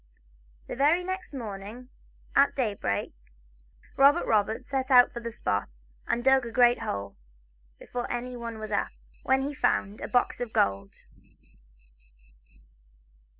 The very next morning, at daybreak, Robert Roberts set out for the spot, and dug a great hole, before anyone was up, when he found a box of gold.